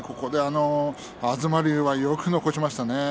東龍はここでよく残しましたね